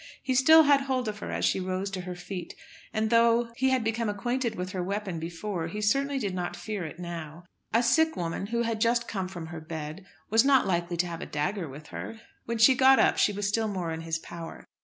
He still had hold of her as she rose to her feet, and, though he had become acquainted with her weapon before, he certainly did not fear it now. A sick woman, who had just come from her bed, was not likely to have a dagger with her. When she got up she was still more in his power.